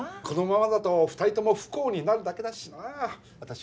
このままだと２人とも不幸になるだけだしなあ。